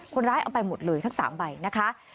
คนร้ายเอาไปหมดเลยทั้ง๓ใบนะคะ